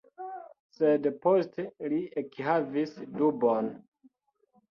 Sed poste li ekhavis dubon.